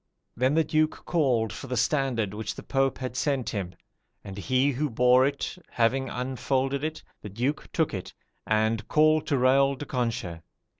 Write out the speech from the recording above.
"Then the Duke called for the standard which the Pope had sent him, and he who bore it having unfolded it, the Duke took it, and, called to Raol de Conches.